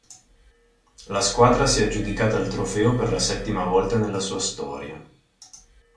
La squadra si è aggiudicata il trofeo per la settima volta nella sua storia.